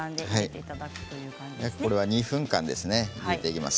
これは２分間ですね。